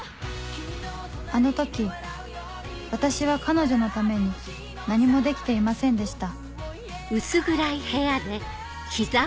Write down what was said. あの時私は彼女のために何もできていませんでした